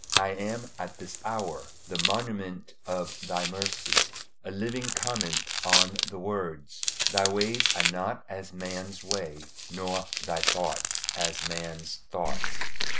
I am at this hour the monument of Thy mercy a living comment on the words, "Thy ways are not as man's ways, nor Thy thoughts as man's thoughts."